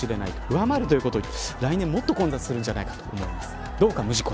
上回るということは来年もっと混雑するんじゃないかと思います。